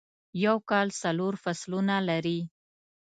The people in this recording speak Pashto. یو کال څلور فصلونه لري.